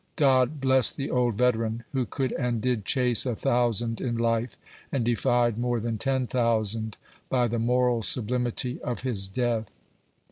God bless the old veteran, who could and did chase a thousand in life, and defied more than ten thousand by the moral sublimity of his death